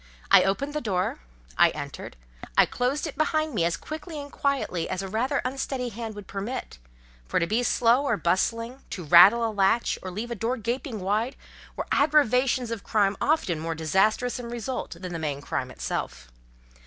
I opened the door, I entered, I closed it behind me as quickly and quietly as a rather unsteady hand would permit; for to be slow or bustling, to rattle a latch, or leave a door gaping wide, were aggravations of crime often more disastrous in result than the main crime itself.